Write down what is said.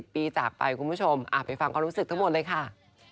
ปีจากไปคุณผู้ชมไปฟังความรู้สึกทั้งหมดเลยค่ะ